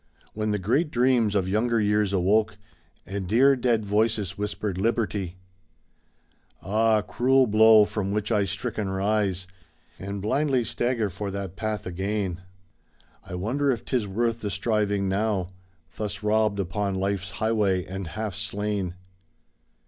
When the great dreams of younger years awoke And dear dead voices whispered "Liberty/' Ah, cruel blow, from which I stricken rise And blindly stagger for that path again. To wonder if 'tis worth the striving now. Thus robbed upon life's highway and half slain.